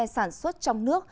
sản xuất trong nước